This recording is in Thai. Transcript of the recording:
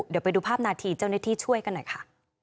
เดี๋ยวไปดูภาพนาทีเจ้าหน้าที่ช่วยกันหน่อยค่ะ